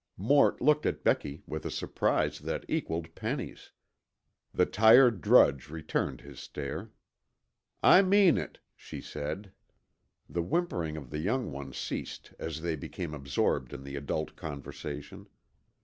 Mort looked at Becky with a surprise that equaled Penny's. The tired drudge returned his stare. "I mean it," she said. The whimpering of the young ones ceased as they became absorbed in the adult conversation.